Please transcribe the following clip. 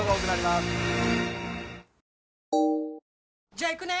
じゃあ行くね！